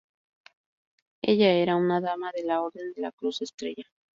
Ella era una Dama de la Orden de la Cruz Estrellada.